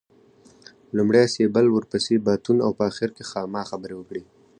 لومړی سېبل ورپسې باتون او په اخر کې خاما خبرې وکړې.